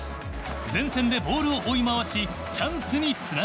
前線でボールを追い回しチャンスにつなげる。